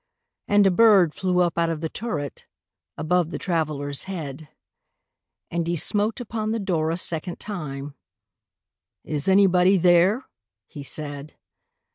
And a bird flew up out of the turret, Above the traveler's head: And he smote upon the door a second time; "Is there anybody there?" he said.